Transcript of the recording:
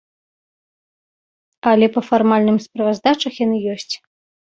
Але па фармальным справаздачах яны ёсць.